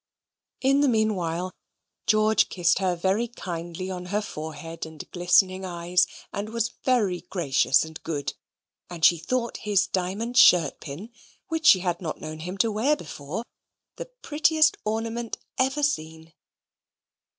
In the meanwhile, George kissed her very kindly on her forehead and glistening eyes, and was very gracious and good; and she thought his diamond shirt pin (which she had not known him to wear before) the prettiest ornament ever seen.